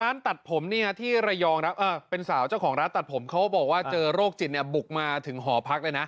ตัดผมเนี่ยที่ระยองครับเป็นสาวเจ้าของร้านตัดผมเขาบอกว่าเจอโรคจิตเนี่ยบุกมาถึงหอพักเลยนะ